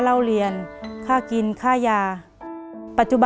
เปลี่ยนเพลงเพลงเก่งของคุณและข้ามผิดได้๑คำ